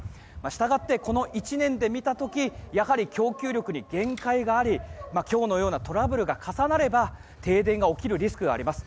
したがって、この１年で見た時やはり供給力に限界があり今日のようなトラブルが重なれば停電が起きるリスクがあります。